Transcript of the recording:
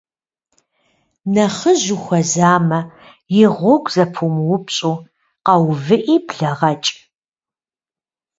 Нэхъыжь ухуэзэмэ, и гъуэгу зэпумыупщӏу, къэувыӏи блэгъэкӏ.